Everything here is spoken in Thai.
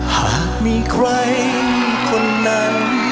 หากมีใครคนนั้น